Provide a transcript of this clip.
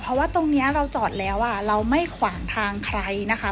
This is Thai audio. เพราะว่าตรงนี้เราจอดแล้วเราไม่ขวางทางใครนะคะ